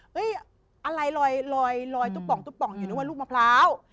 เฮ้ยอะไรลอยตุ๊กป๋องอยู่นึกว่าลูกมะพร้าว